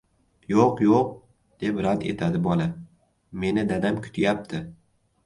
– Yoʻq, yoʻq… – deb rad etadi bola, – meni dadam kutyapti.